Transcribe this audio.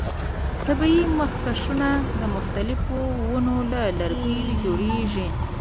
طبیعي مخکشونه د مختلفو ونو له لرګیو جوړیږي.